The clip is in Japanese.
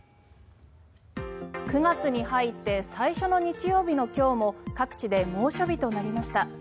９月に入って最初の日曜日の今日も各地で猛暑日となりました。